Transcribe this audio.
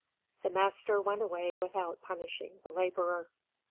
The master went away without punishing the laborer.